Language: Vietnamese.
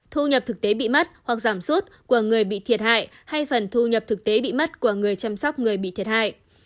thu nhập thực tế bị mất hoặc giảm sút của người bị thiệt hại hay phần thu nhập thực tế bị mất của người chăm sóc người bị thiệt hại